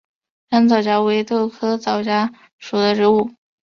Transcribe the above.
山皂荚为豆科皂荚属的植物。